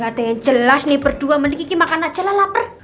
gak ada yang jelas nih berdua sama dikiki makan aja lah lapar